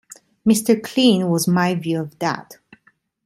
'Mr Clean' was my view of that.